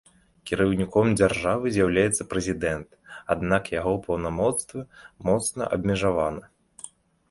Кіраўніком дзяржавы з'яўляецца прэзідэнт, аднак яго паўнамоцтвы моцна абмежавана.